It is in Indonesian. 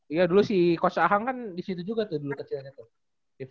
iya dulu si kos ahang kan di situ juga tuh dulu kecilnya tuh